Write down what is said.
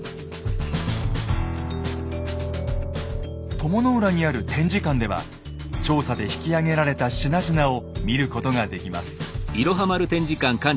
鞆の浦にある展示館では調査で引き揚げられた品々を見ることができます。